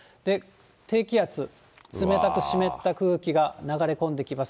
低気圧、冷たく湿った空気が流れ込んできます。